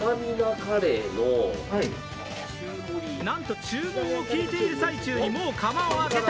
なんと注文を聞いている最中にもう窯を開けた。